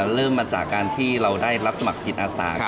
เริ่มมาจากการที่เราได้รับสมัครจิตอาสา